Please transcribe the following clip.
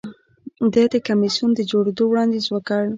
ده د یو کمېسیون د جوړېدو وړاندیز وکړ.